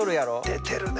出てるね。